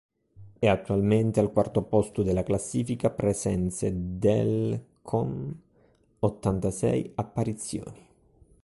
È attualmente al quarto posto della classifica presenze dell', con ottantasei apparizioni.